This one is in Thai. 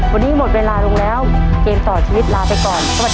วันนี้หมดเวลาลงแล้ว